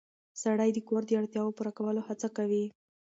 سړی د کور د اړتیاوو پوره کولو هڅه کوي